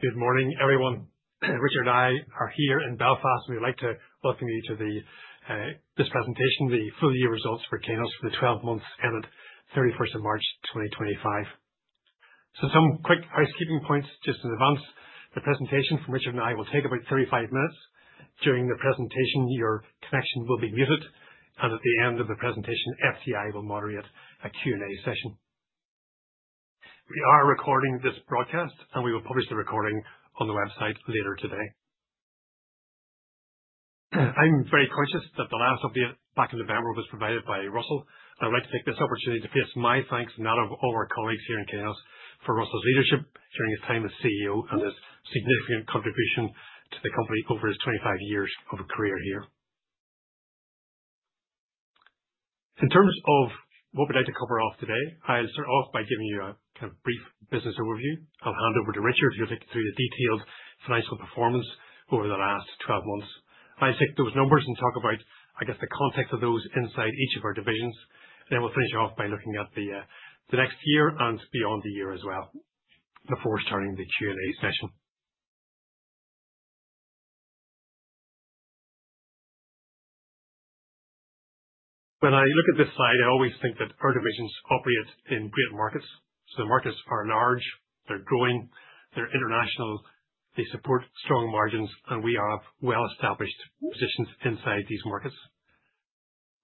Good morning, everyone. Richard and I are here in Belfast. We'd like to welcome you to this presentation, the Full Year Results for Kainos for the 12 months ended 31 March 2025, so some quick housekeeping points just in advance. The presentation from Richard and I will take about 35 minutes. During the presentation, your connection will be muted, and at the end of the presentation, FTI will moderate a Q&A session. We are recording this broadcast, and we will publish the recording on the website later today. I'm very conscious that the last update back in November was provided by Russell, and I'd like to take this opportunity to place my thanks and that of all our colleagues here in Kainos for Russell's leadership during his time as CEO and his significant contribution to the company over his 25 years of a career here. In terms of what we'd like to cover off today, I'll start off by giving you a kind of brief business overview. I'll hand over to Richard, who'll take you through the detailed financial performance over the last 12 months. I'll take those numbers and talk about, I guess, the context of those inside each of our divisions. Then we'll finish off by looking at the next year and beyond the year as well, before starting the Q&A session. When I look at this slide, I always think that our divisions operate in great markets. So, the markets are large, they're growing, they're international, they support strong margins, and we have well-established positions inside these markets.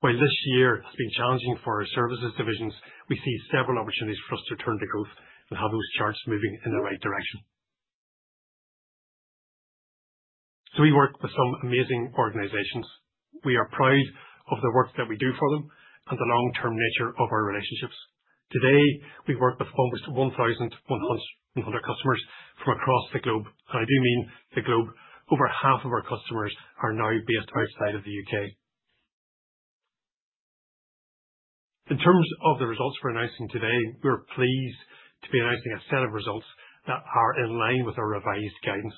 While this year has been challenging for our services divisions, we see several opportunities for us to turn to growth and have those charts moving in the right direction. We work with some amazing organizations. We are proud of the work that we do for them and the long-term nature of our relationships. Today, we work with almost 1,100 customers from across the globe, and I do mean the globe. Over half of our customers are now based outside of the U.K.. In terms of the results we're announcing today, we're pleased to be announcing a set of results that are in line with our revised guidance.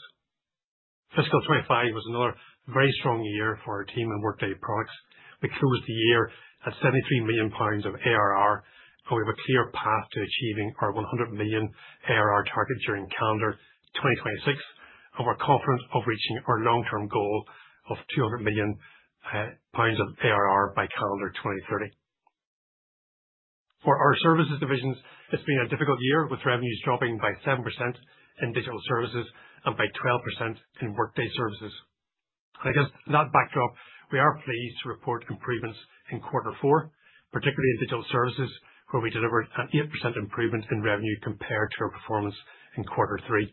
Fiscal 25 was another very strong year for our team and Workday Products. We closed the year at 73 million pounds of ARR, and we have a clear path to achieving our 100 million ARR target during calendar 2026, and we're confident of reaching our long-term goal of 200 million pounds of ARR by calendar 2030. For our services divisions, it's been a difficult year with revenues dropping by 7% in digital services and by 12% in Workday services. Against that backdrop, we are pleased to report improvements in Quarter 4, particularly in digital services, where we delivered an 8% improvement in revenue compared to our performance in Quarter 3.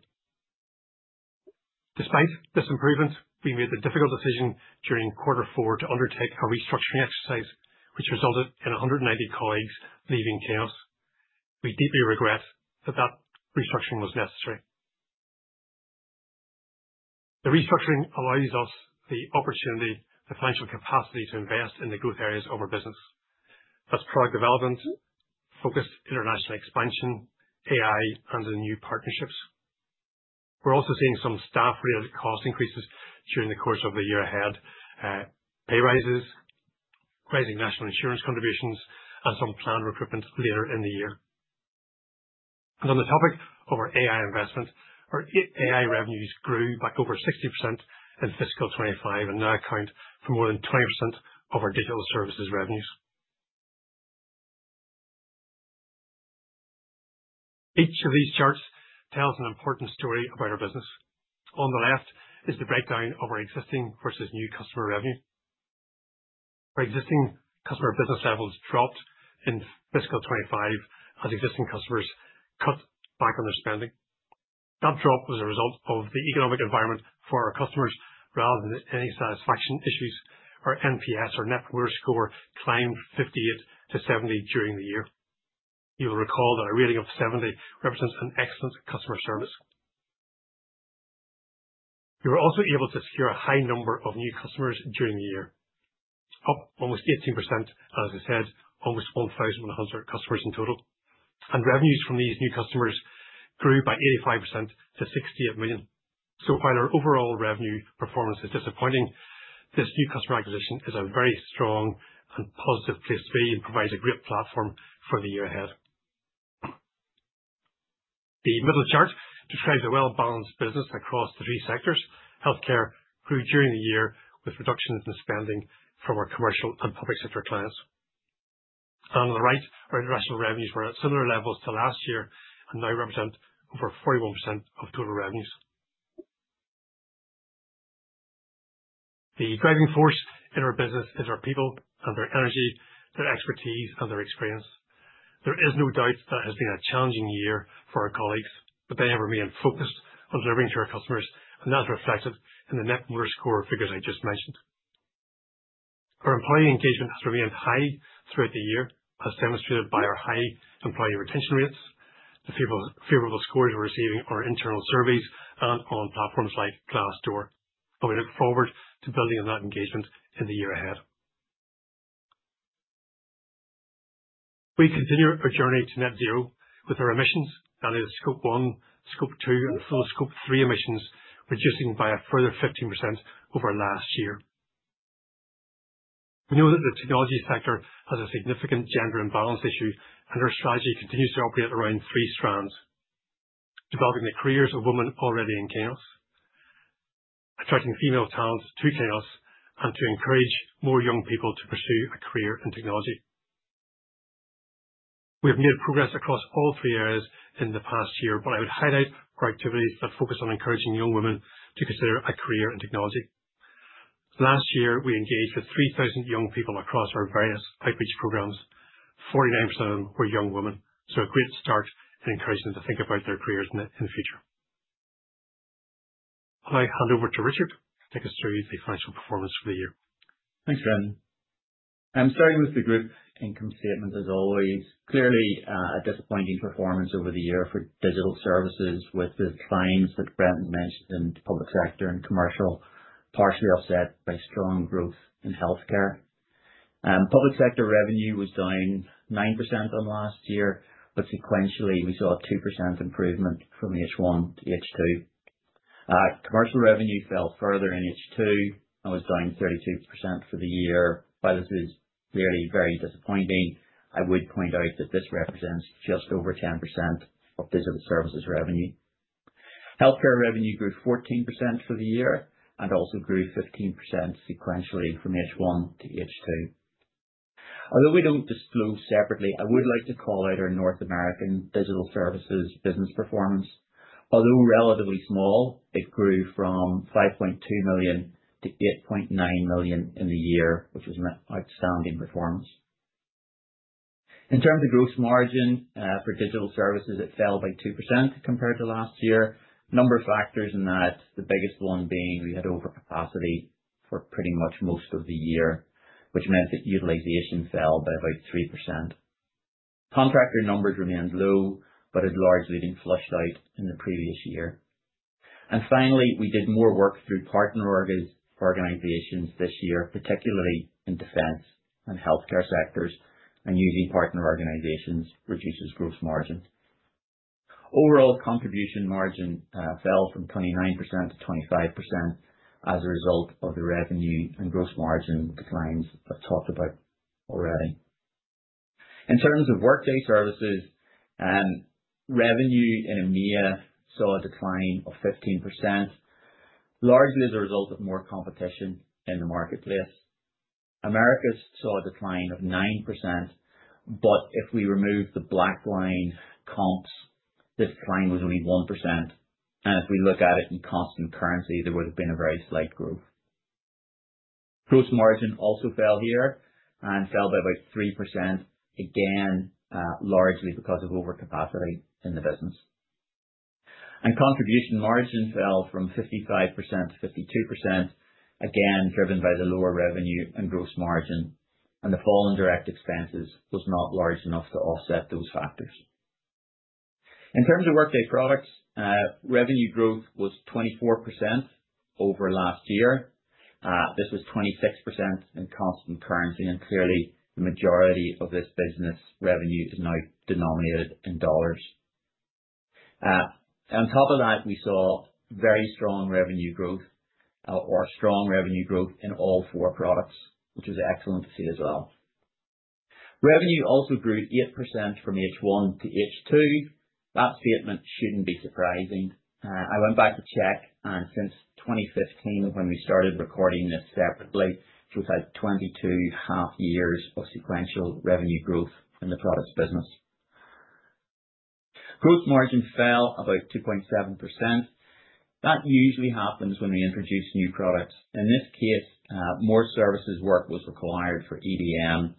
Despite this improvement, we made the difficult decision during Quarter 4 to undertake a restructuring exercise, which resulted in 190 colleagues leaving Kainos. We deeply regret that that restructuring was necessary. The restructuring allows us the opportunity, the financial capacity to invest in the growth areas of our business. That's product development, focused international expansion, AI, and the new partnerships. We're also seeing some staff-related cost increases during the course of the year ahead, pay rises, rising national insurance contributions, and some planned recruitment later in the year. On the topic of our AI investment, our AI revenues grew by over 60% in Fiscal 25 and now account for more than 20% of our digital services revenues. Each of these charts tells an important story about our business. On the left is the breakdown of our existing versus new customer revenue. Our existing customer business levels dropped in Fiscal 2025 as existing customers cut back on their spending. That drop was a result of the economic environment for our customers rather than any satisfaction issues. Our NPS, our net promoter score, climbed 58 to 70 during the year. You will recall that a rating of 70 represents excellent customer service. We were also able to secure a high number of new customers during the year, up almost 18%, and as I said, almost 1,100 customers in total. Revenues from these new customers grew by 85% to 68 million. While our overall revenue performance is disappointing, this new customer acquisition is a very strong and positive place to be and provides a great platform for the year ahead. The middle chart describes a well-balanced business across the three sectors. Healthcare grew during the year with reductions in spending from our commercial and public sector clients. On the right, our international revenues were at similar levels to last year and now represent over 41% of total revenues. The driving force in our business is our people and their energy, their expertise, and their experience. There is no doubt that it has been a challenging year for our colleagues, but they have remained focused on delivering to our customers, and that's reflected in the Net Promoter Score figures I just mentioned. Our employee engagement has remained high throughout the year, as demonstrated by our high employee retention rates, the favorable scores we're receiving on our internal surveys and on platforms like Glassdoor. And we look forward to building on that engagement in the year ahead. We continue our journey to net zero with our emissions, and it is Scope 1, Scope 2, and full Scope 3 emissions reducing by a further 15% over last year. We know that the technology sector has a significant gender imbalance issue, and our strategy continues to operate around three strands: developing the careers of women already in Kainos, attracting female talent to Kainos, and to encourage more young people to pursue a career in technology. We have made progress across all three areas in the past year, but I would highlight our activities that focus on encouraging young women to consider a career in technology. Last year, we engaged with 3,000 young people across our various outreach programs. 49% of them were young women, so a great start in encouraging them to think about their careers in the future. I'll now hand over to Richard to take us through the financial performance for the year. Thanks, Brendan. I'm starting with the group income statement, as always. Clearly, a disappointing performance over the year for digital services with the signs that Brendan mentioned in public sector and commercial, partially offset by strong growth in healthcare. Public sector revenue was down 9% on last year, but sequentially we saw a 2% improvement from H1-H2. Commercial revenue fell further in H2 and was down 32% for the year, but this is clearly very disappointing. I would point out that this represents just over 10% of digital services revenue. Healthcare revenue grew 14% for the year and also grew 15% sequentially from H1-H2. Although we don't disclose separately, I would like to call out our North American digital services business performance. Although relatively small, it grew from 5.2 million to 8.9 million in the year, which was an outstanding performance. In terms of gross margin for digital services, it fell by 2% compared to last year. A number of factors in that, the biggest one being we had overcapacity for pretty much most of the year, which meant that utilization fell by about 3%. Contractor numbers remained low but had largely been flushed out in the previous year. And finally, we did more work through partner organizations this year, particularly in defense and healthcare sectors, and using partner organizations reduces gross margin. Overall contribution margin fell from 29%-25% as a result of the revenue and gross margin declines I've talked about already. In terms of Workday Services, revenue in EMEA saw a decline of 15%, largely as a result of more competition in the marketplace. Americas saw a decline of 9%, but if we remove the BlackLine comps, the decline was only 1%. And if we look at it in constant currency, there would have been a very slight growth. Gross margin also fell here and fell by about 3%, again, largely because of overcapacity in the business. And contribution margin fell from 55%-52%, again, driven by the lower revenue and gross margin, and the fall in direct expenses was not large enough to offset those factors. In terms of Workday products, revenue growth was 24% over last year. This was 26% in constant currency, and clearly, the majority of this business revenue is now denominated in dollars. On top of that, we saw very strong revenue growth or strong revenue growth in all four products, which was excellent to see as well. Revenue also grew 8% from H1-H2. That statement shouldn't be surprising. I went back to check, and since 2015, when we started recording this separately, we've had 22 half-years of sequential revenue growth in the products business. Gross margin fell about 2.7%. That usually happens when we introduce new products. In this case, more services work was required for EDM.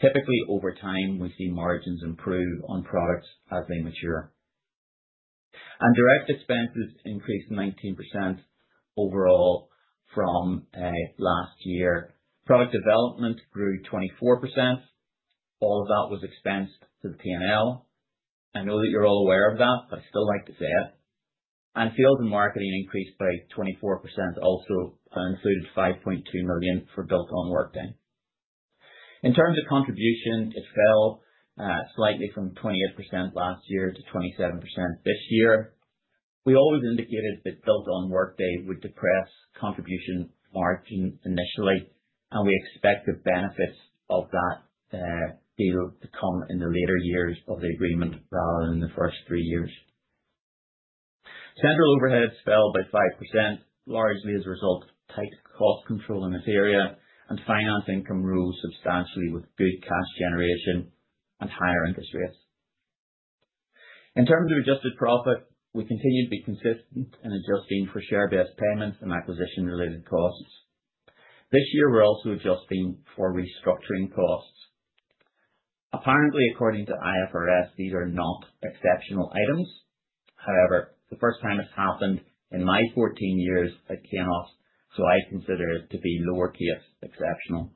Typically, over time, we see margins improve on products as they mature, and direct expenses increased 19% overall from last year. Product development grew 24%. All of that was expensed to the P&L. I know that you're all aware of that, but I still like to say it, and sales and marketing increased by 24%, also included 5.2 million for Built on Workday. In terms of contribution, it fell slightly from 28% last year to 27% this year. We always indicated that Built on Workday would depress contribution margin initially, and we expect the benefits of that deal to come in the later years of the agreement rather than the first three years. Central overhead fell by 5%, largely as a result of tight cost control in this area and finance income rose substantially with good cash generation and higher interest rates. In terms of adjusted profit, we continue to be consistent in adjusting for share-based payments and acquisition-related costs. This year, we're also adjusting for restructuring costs. Apparently, according to IFRS, these are not exceptional items. However, the first time it's happened in my 14 years at Kainos, so I consider it to be lowercase exceptional.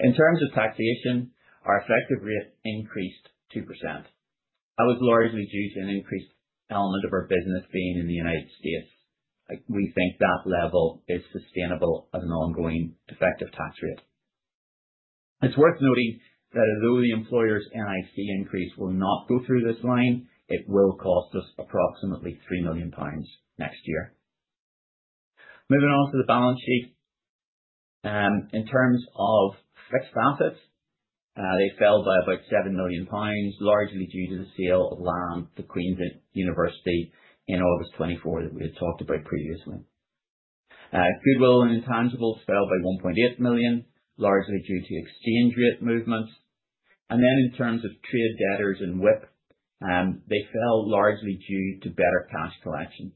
In terms of taxation, our effective rate increased 2%. That was largely due to an increased element of our business being in the United States. We think that level is sustainable as an ongoing effective tax rate. It's worth noting that although the employer's NIC increase will not go through this line, it will cost us approximately 3 million pounds next year. Moving on to the balance sheet. In terms of fixed assets, they fell by about 7 million pounds, largely due to the sale of land to Queen's University in August 2024 that we had talked about previously. Goodwill and intangibles fell by 1.8 million, largely due to exchange rate movements. And then in terms of trade debtors and WIP, they fell largely due to better cash collection.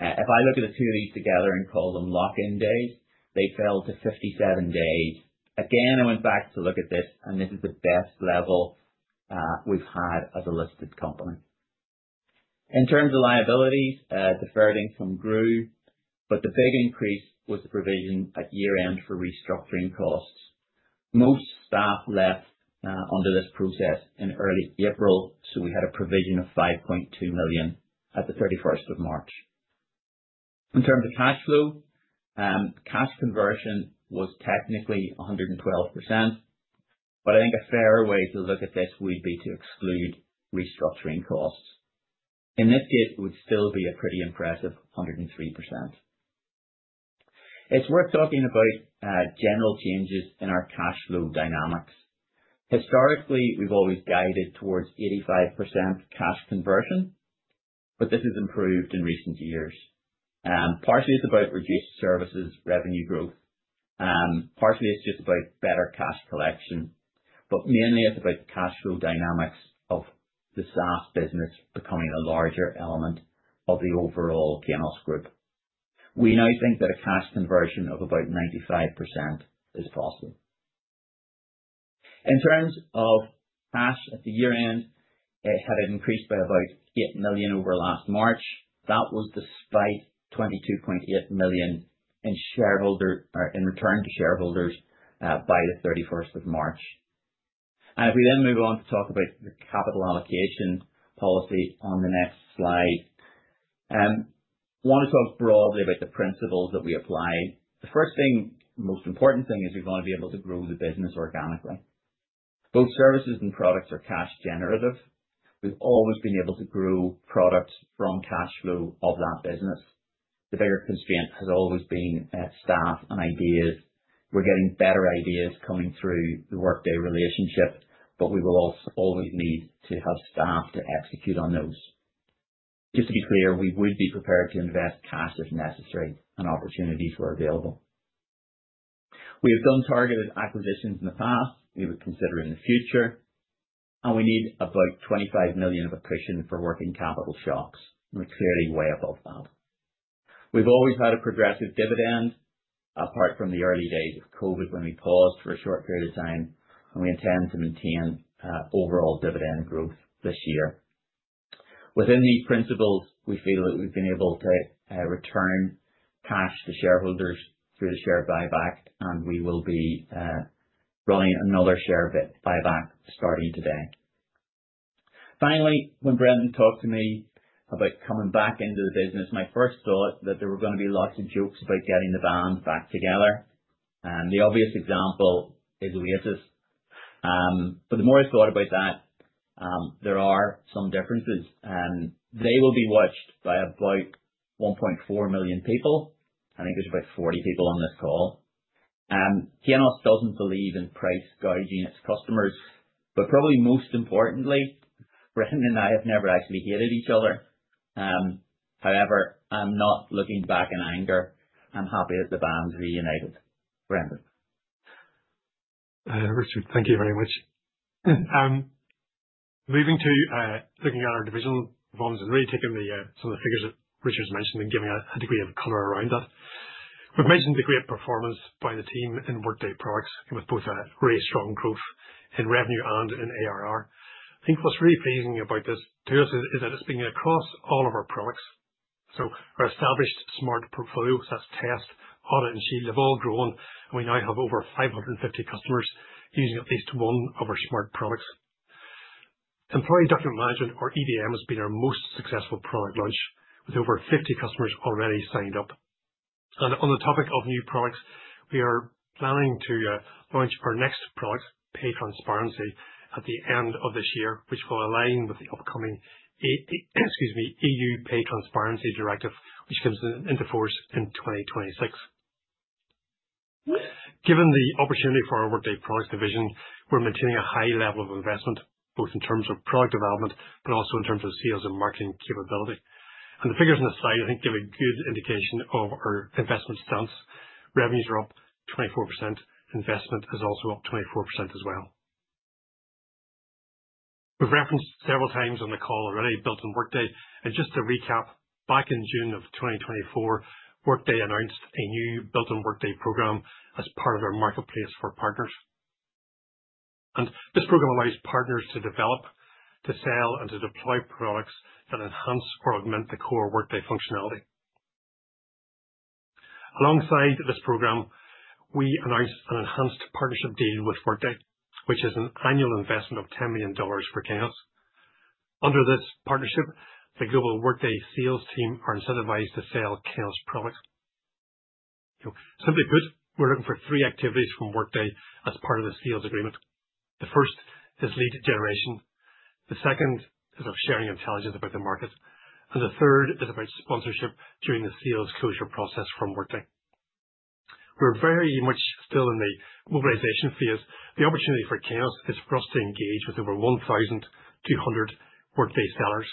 If I look at the two of these together and call them lock-in days, they fell to 57 days. Again, I went back to look at this, and this is the best level we've had as a listed company. In terms of liabilities, deferred income grew, but the big increase was the provision at year-end for restructuring costs. Most staff left under this process in early April, so we had a provision of 5.2 million at the 31st of March. In terms of cash flow, cash conversion was technically 112%, but I think a fairer way to look at this would be to exclude restructuring costs. In this case, it would still be a pretty impressive 103%. It's worth talking about general changes in our cash flow dynamics. Historically, we've always guided towards 85% cash conversion, but this has improved in recent years. Partially, it's about reduced services revenue growth. Partially, it's just about better cash collection, but mainly, it's about the cash flow dynamics of the SaaS business becoming a larger element of the overall Kainos Group. We now think that a cash conversion of about 95% is possible. In terms of cash at the year-end, it had increased by about 8 million over last March. That was despite 22.8 million in return to shareholders by the 31st of March. And if we then move on to talk about the capital allocation policy on the next slide, I want to talk broadly about the principles that we apply. The first thing, most important thing, is we want to be able to grow the business organically. Both services and products are cash generative. We've always been able to grow products from cash flow of that business. The bigger constraint has always been staff and ideas. We're getting better ideas coming through the Workday relationship, but we will also always need to have staff to execute on those. Just to be clear, we would be prepared to invest cash if necessary and opportunities were available. We have done targeted acquisitions in the past. We would consider in the future. And we need about 25 million in addition for working capital shocks, and we're clearly way above that. We've always had a progressive dividend, apart from the early days of COVID when we paused for a short period of time, and we intend to maintain overall dividend growth this year. Within these principles, we feel that we've been able to return cash to shareholders through the share buyback, and we will be running another share buyback starting today. Finally, when Brendan talked to me about coming back into the business, my first thought that there were going to be lots of jokes about getting the band back together. The obvious example is Oasis. But the more I thought about that, there are some differences. They will be watched by about 1.4 million people. I think there's about 40 people on this call. Kainos doesn't believe in price gouging its customers, but probably most importantly, Brendan and I have never actually hated each other. However, I'm not looking back in anger. I'm happy that the band's reunited. Brendan. Richard, thank you very much. Moving to looking at our divisional performance and really taking some of the figures that Richard's mentioned and giving a degree of color around that. We've mentioned the great performance by the team in Workday products, and with both a really strong growth in revenue and in ARR. I think what's really pleasing about this to us is that it's been across all of our products. So our established Smart portfolio, so that's Test, Audit, and Shield, have all grown, and we now have over 550 customers using at least one of our Smart products. Employee Document Management, or EDM, has been our most successful product launch, with over 50 customers already signed up. On the topic of new products, we are planning to launch our next product, Pay Transparency, at the end of this year, which will align with the upcoming EU Pay Transparency Directive, which comes into force in 2026. Given the opportunity for our Workday product division, we're maintaining a high level of investment, both in terms of product development but also in terms of sales and marketing capability. The figures on the slide, I think, give a good indication of our investment stance. Revenues are up 24%. Investment is also up 24% as well. We've referenced several times on the call already Built on Workday. Just to recap, back in June of 2024, Workday announced a new Built on Workday program as part of their marketplace for partners. This program allows partners to develop, to sell, and to deploy products that enhance or augment the core Workday functionality. Alongside this program, we announced an enhanced partnership deal with Workday, which is an annual investment of $10 million for Kainos. Under this partnership, the global Workday sales team are incentivized to sell Kainos products. Simply put, we're looking for three activities from Workday as part of the sales agreement. The first is lead generation. The second is our sharing intelligence about the market. And the third is about sponsorship during the sales closure process from Workday. We're very much still in the mobilization phase. The opportunity for Kainos is for us to engage with over 1,200 Workday sellers.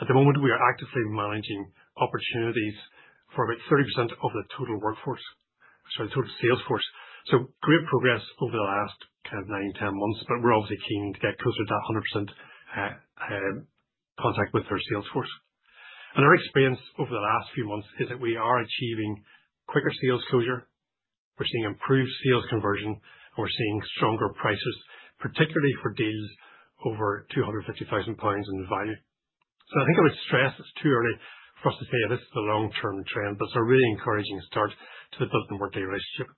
At the moment, we are actively managing opportunities for about 30% of the total workforce, sorry, the total sales force. So great progress over the last kind of nine, 10 months, but we're obviously keen to get closer to that 100% contact with our sales force. Our experience over the last few months is that we are achieving quicker sales closure. We're seeing improved sales conversion, and we're seeing stronger prices, particularly for deals over 250,000 pounds in value. I think I would stress it's too early for us to say this is a long-term trend, but it's a really encouraging start to the Built on Workday relationship.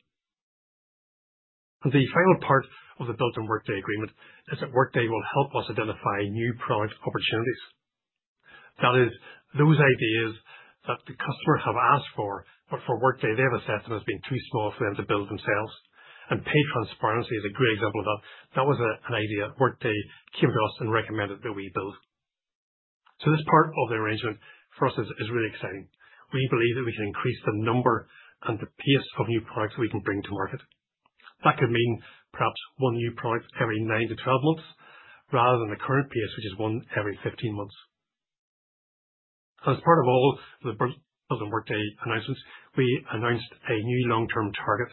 The final part of the Built on Workday agreement is that Workday will help us identify new product opportunities. That is, those ideas that the customer have asked for, but for Workday, they've assessed them as being too small for them to build themselves. Pay Transparency is a great example of that. That was an idea Workday came to us and recommended that we build. This part of the arrangement for us is really exciting. We believe that we can increase the number and the pace of new products that we can bring to market. That could mean perhaps one new product every nine to 12 months rather than the current pace, which is one every 15 months. And as part of all the Built on Workday announcements, we announced a new long-term target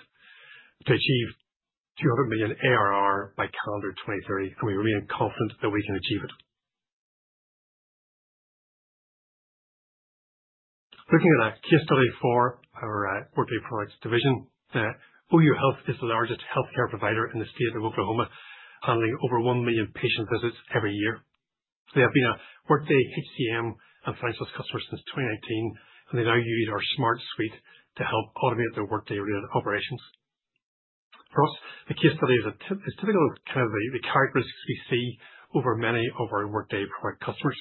to achieve 200 million ARR by calendar 2030, and we remain confident that we can achieve it. Looking at a case study for our Workday Products division, OU Health is the largest healthcare provider in the state of Oklahoma, handling over 1 million patient visits every year. They have been a Workday HCM and financial customer since 2019, and they now use our Smart Suite to help automate their Workday-related operations. For us, the case study is typical of kind of the characteristics we see over many of our Workday product customers.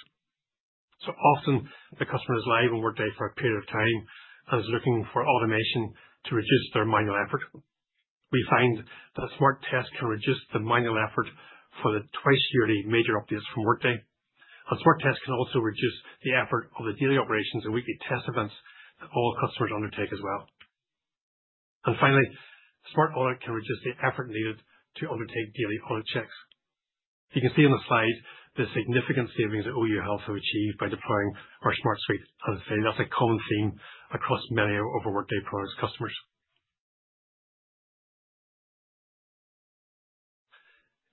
So often, the customer is live on Workday for a period of time and is looking for automation to reduce their manual effort. We find that a Smart Test can reduce the manual effort for the twice-yearly major updates from Workday. A Smart Test can also reduce the effort of the daily operations and weekly test events that all customers undertake as well. And finally, Smart Audit can reduce the effort needed to undertake daily audit checks. You can see on the slide the significant savings that OU Health have achieved by deploying our Smart Suite. And that's a common theme across many of our Workday products customers.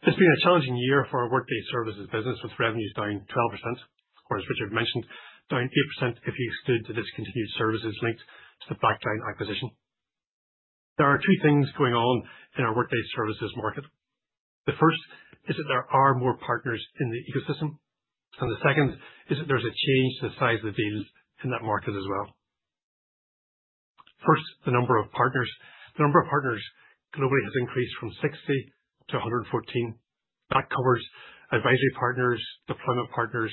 It's been a challenging year for our Workday services business with revenues down 12%, or as Richard mentioned, down 8% if you exclude the discontinued services linked to the BlackLine acquisition. There are two things going on in our Workday services market. The first is that there are more partners in the ecosystem, and the second is that there's a change to the size of the deals in that market as well. First, the number of partners. The number of partners globally has increased from 60-114. That covers advisory partners, deployment partners,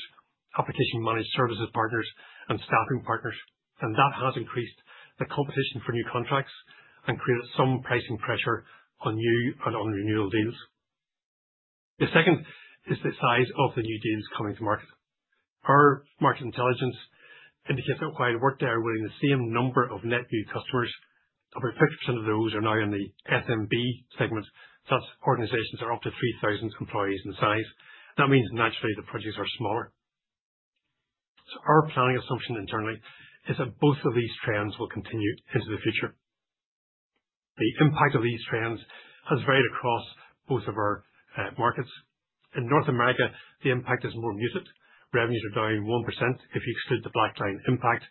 application-managed services partners, and staffing partners. And that has increased the competition for new contracts and created some pricing pressure on new and on renewal deals. The second is the size of the new deals coming to market. Our market intelligence indicates that while Workday are winning the same number of net new customers, about 50% of those are now in the SMB segment. So that's organizations that are up to 3,000 employees in size. That means naturally the projects are smaller. So our planning assumption internally is that both of these trends will continue into the future. The impact of these trends has varied across both of our markets. In North America, the impact is more muted. Revenues are down 1% if you exclude the BlackLine impact.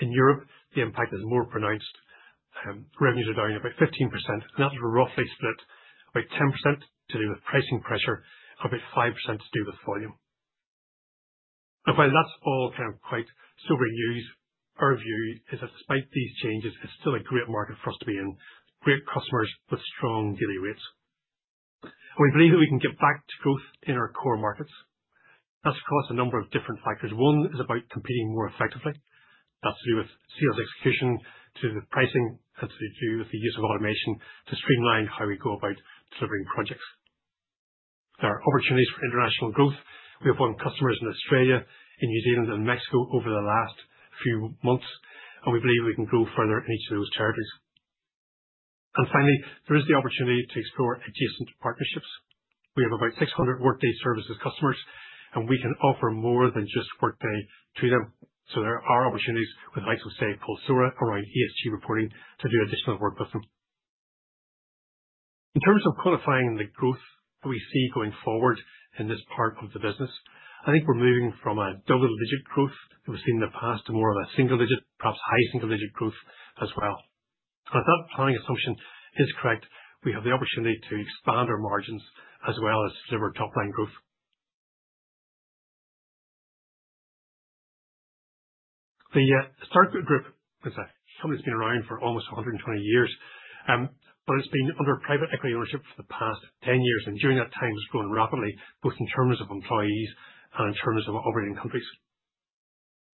In Europe, the impact is more pronounced. Revenues are down about 15%, and that's roughly split about 10% to do with pricing pressure and about 5% to do with volume, and while that's all kind of quite sobering news, our view is that despite these changes, it's still a great market for us to be in, great customers with strong daily rates. We believe that we can get back to growth in our core markets. That's across a number of different factors. One is about competing more effectively. That's to do with sales execution, to do with pricing, and to do with the use of automation to streamline how we go about delivering projects. There are opportunities for international growth. We have won customers in Australia, in New Zealand, and Mexico over the last few months, and we believe we can grow further in each of those territories. And finally, there is the opportunity to explore adjacent partnerships. We have about 600 Workday Services customers, and we can offer more than just Workday to them. So there are opportunities with Isosec, Pulsora, around ESG reporting to do additional work with them. In terms of quantifying the growth that we see going forward in this part of the business, I think we're moving from a double-digit growth that we've seen in the past to more of a single-digit, perhaps high single-digit growth as well. And if that planning assumption is correct, we have the opportunity to expand our margins as well as deliver top-line growth. The STARK Group is a company that's been around for almost 120 years, but it's been under private equity ownership for the past 10 years, and during that time, it's grown rapidly, both in terms of employees and in terms of operating companies.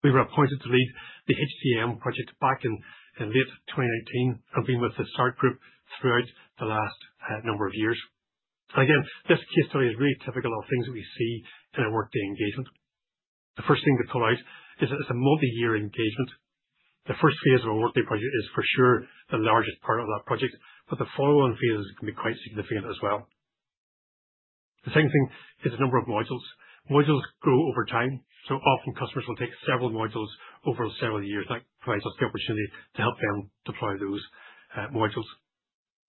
We were appointed to lead the HCM project back in late 2019 and have been with the STARK Group throughout the last number of years, and again, this case study is really typical of things that we see in a Workday engagement. The first thing to call out is that it's a multi-year engagement. The first phase of a Workday project is for sure the largest part of that project, but the follow-on phases can be quite significant as well. The second thing is the number of modules. Modules grow over time, so often customers will take several modules over several years, and that provides us the opportunity to help them deploy those modules,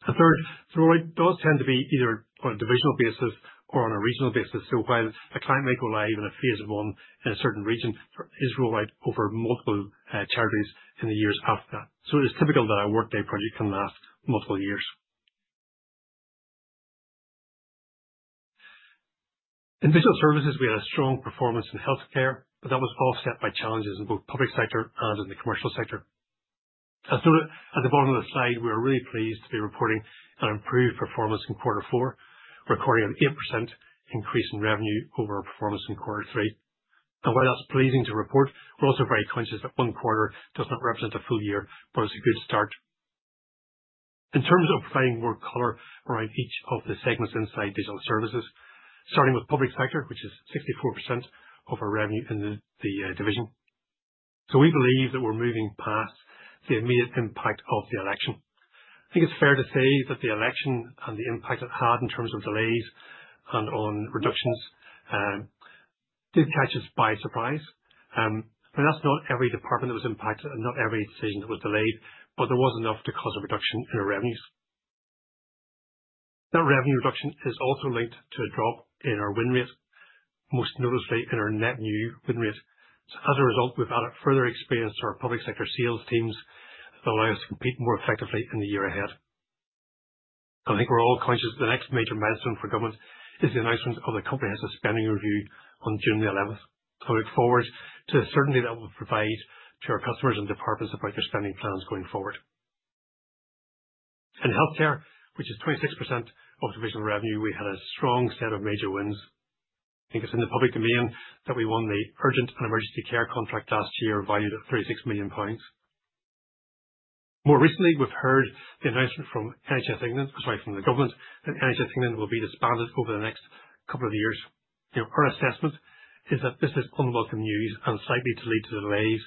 and third, the rollout does tend to be either on a divisional basis or on a regional basis, so while a client may go live in a phase one in a certain region, there is rollout over multiple territories in the years after that, so it is typical that a Workday project can last multiple years. In Digital Services, we had a strong performance in healthcare, but that was offset by challenges in both the public sector and in the commercial sector. As noted at the bottom of the slide, we are really pleased to be reporting an improved performance in quarter four, recording an 8% increase in revenue over our performance in quarter three. While that's pleasing to report, we're also very conscious that one quarter does not represent a full year, but it's a good start. In terms of providing more color around each of the segments inside digital services, starting with public sector, which is 64% of our revenue in the division. We believe that we're moving past the immediate impact of the election. I think it's fair to say that the election and the impact it had in terms of delays and on reductions did catch us by surprise. I mean, that's not every department that was impacted and not every decision that was delayed, but there was enough to cause a reduction in our revenues. That revenue reduction is also linked to a drop in our win rate, most noticeably in our net new win rate. So as a result, we've added further experience to our public sector sales teams that allow us to compete more effectively in the year ahead. And I think we're all conscious that the next major milestone for government is the announcement of the Comprehensive Spending Review on June the 11th. So we look forward to the certainty that will provide to our customers and departments about their spending plans going forward. In healthcare, which is 26% of divisional revenue, we had a strong set of major wins. I think it's in the public domain that we won the Urgent and Emergency Care contract last year, valued at 36 million pounds. More recently, we've heard the announcement from NHS England, sorry, from the government, that NHS England will be disbanded over the next couple of years. Our assessment is that this is unwelcome news and likely to lead to delays,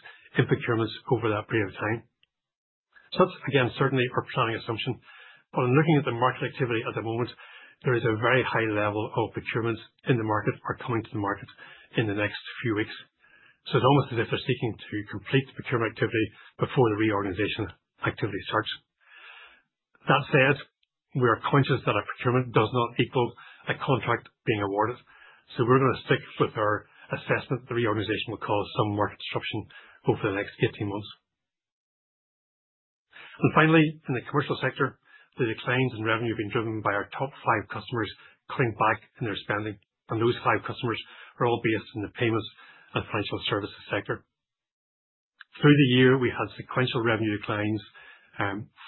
procurements over that period of time, so that's, again, certainly our planning assumption, but in looking at the market activity at the moment, there is a very high level of procurements in the market or coming to the market in the next few weeks, so it's almost as if they're seeking to complete the procurement activity before the reorganization activity starts. That said, we are conscious that a procurement does not equal a contract being awarded, so we're going to stick with our assessment that the reorganization will cause some market disruption over the next 18 months, and finally, in the commercial sector, the declines in revenue have been driven by our top five customers cutting back in their spending, and those five customers are all based in the payments and financial services sector. Through the year, we had sequential revenue declines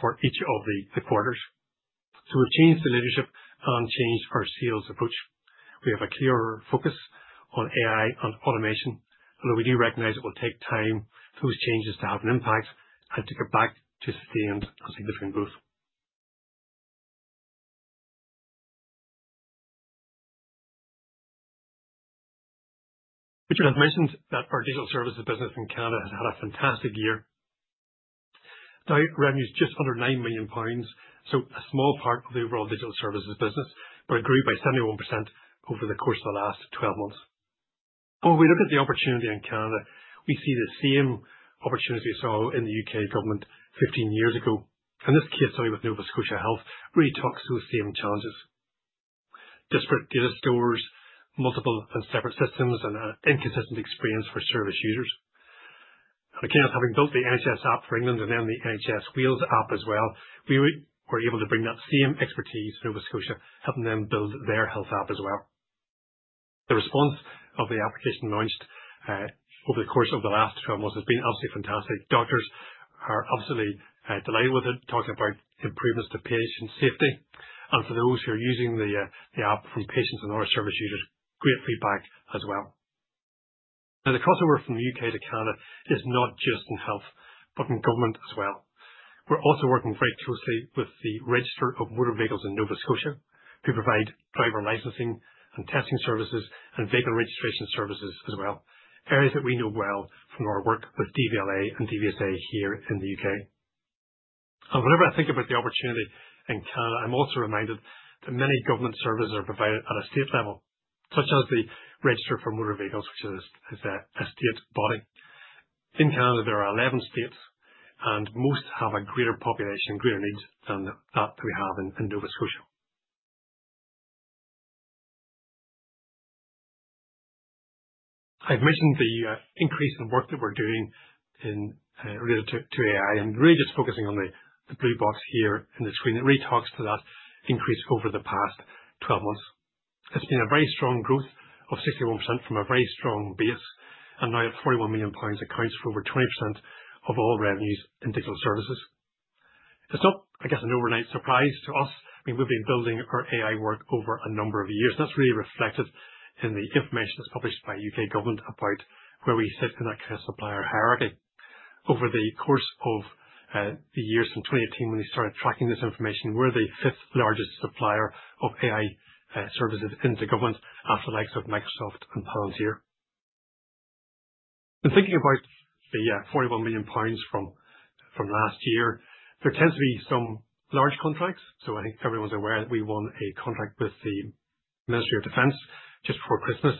for each of the quarters. So we've changed the leadership and changed our sales approach. We have a clearer focus on AI and automation, although we do recognize it will take time for those changes to have an impact and to get back to sustained and significant growth. Richard has mentioned that our digital services business in Canada has had a fantastic year. The revenue is just under 9 million pounds, so a small part of the overall digital services business, but it grew by 71% over the course of the last 12 months. And when we look at the opportunity in Canada, we see the same opportunity we saw in the U.K. government 15 years ago. And this case study with Nova Scotia Health really talks to those same challenges. Disparate data stores, multiple and separate systems, and an inconsistent experience for service users, and again, having built the NHS App for England and then the NHS Wales App as well, we were able to bring that same expertise to Nova Scotia, helping them build their health app as well. The response of the application launched over the course of the last 12 months has been absolutely fantastic. Doctors are absolutely delighted with it, talking about improvements to patient safety, and for those who are using the app from patients and other service users, great feedback as well. Now, the crossover from the U.K. to Canada is not just in health, but in government as well. We're also working very closely with the Registry of Motor Vehicles in Nova Scotia, who provide driver licensing and testing services and vehicle registration services as well. Areas that we know well from our work with DVLA and DVSA here in the U.K.. And whenever I think about the opportunity in Canada, I'm also reminded that many government services are provided at a state level, such as the Registry of Motor Vehicles, which is a state body. In Canada, there are 11 states, and most have a greater population and greater needs than that we have in Nova Scotia. I've mentioned the increase in work that we're doing related to AI, and really just focusing on the blue box here in the screen that really talks to that increase over the past 12 months. It's been a very strong growth of 61% from a very strong base, and now at GBP 41 million accounts for over 20% of all revenues in digital services. It's not, I guess, an overnight surprise to us. I mean, we've been building our AI work over a number of years, and that's really reflected in the information that's published by U.K. government about where we sit in that credit supplier hierarchy. Over the course of the years from 2018, when they started tracking this information, we're the fifth largest supplier of AI services into government after the likes of Microsoft and Palantir. And thinking about the 41 million pounds from last year, there tends to be some large contracts. So I think everyone's aware that we won a contract with the Ministry of Defence just before Christmas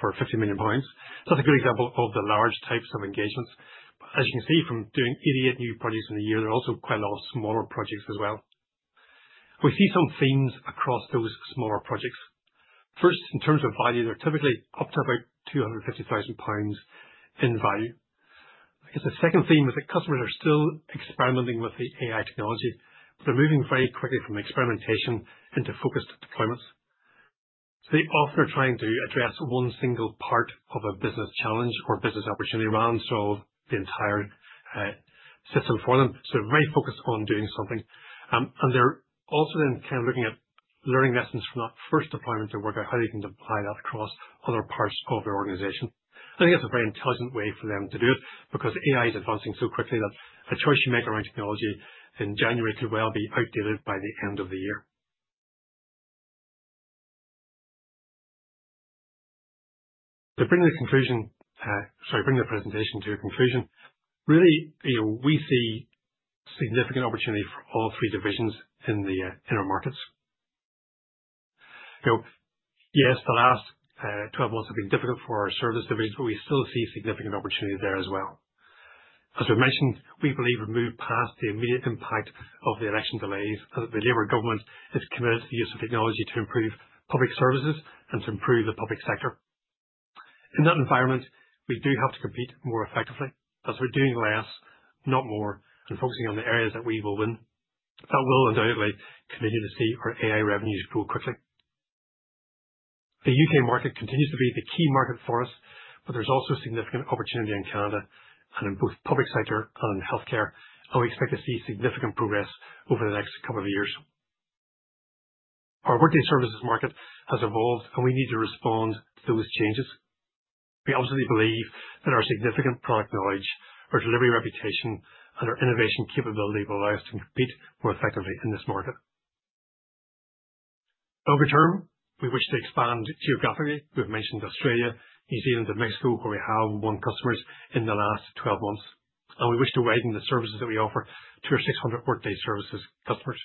for 50 million pounds. So that's a good example of the large types of engagements. But as you can see from doing 88 new projects in the year, there are also quite a lot of smaller projects as well. We see some themes across those smaller projects. First, in terms of value, they're typically up to about 250,000 pounds in value. I guess the second theme is that customers are still experimenting with the AI technology, but they're moving very quickly from experimentation into focused deployments. So they often are trying to address one single part of a business challenge or business opportunity rather than solve the entire system for them. So they're very focused on doing something. And they're also then kind of looking at learning lessons from that first deployment to work out how they can apply that across other parts of their organization. I think it's a very intelligent way for them to do it because AI is advancing so quickly that a choice you make around technology in January could well be outdated by the end of the year. Bring the presentation to a conclusion, really, we see significant opportunity for all three divisions in our markets. Yes, the last 12 months have been difficult for our service divisions, but we still see significant opportunity there as well. As we mentioned, we believe we've moved past the immediate impact of the election delays and that the Labour government is committed to the use of technology to improve public services and to improve the public sector. In that environment, we do have to compete more effectively. That's what we're doing less, not more, and focusing on the areas that we will win. That will undoubtedly continue to see our AI revenues grow quickly. The U.K. market continues to be the key market for us, but there's also significant opportunity in Canada and in both public sector and in healthcare, and we expect to see significant progress over the next couple of years. Our Workday Services market has evolved, and we need to respond to those changes. We obviously believe that our significant product knowledge, our delivery reputation, and our innovation capability will allow us to compete more effectively in this market. Long term, we wish to expand geographically. We've mentioned Australia, New Zealand, and Mexico, where we have won customers in the last 12 months. And we wish to widen the services that we offer to our 600 Workday Services customers.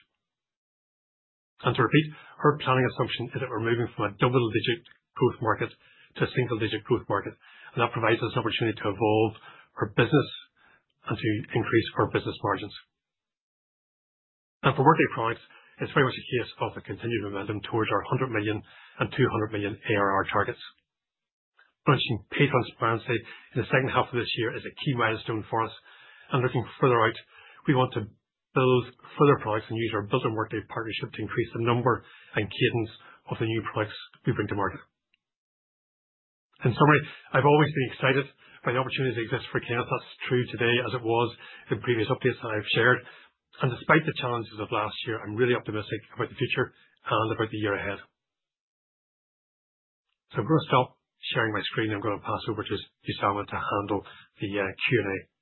And to repeat, our planning assumption is that we're moving from a double-digit growth market to a single-digit growth market. That provides us an opportunity to evolve our business and to increase our business margins. For Workday Products, it's very much a case of a continued momentum towards our 100 million and 200 million ARR targets. Launching Pay Transparency in the second half of this year is a key milestone for us. Looking further out, we want to build further products and use our Built on Workday partnership to increase the number and cadence of the new products we bring to market. In summary, I've always been excited by the opportunities that exist for Kainos. That's true today as it was in previous updates that I've shared. Despite the challenges of last year, I'm really optimistic about the future and about the year ahead. I'm going to stop sharing my screen, and I'm going to pass over to Usama to handle the Q&A. Thank you.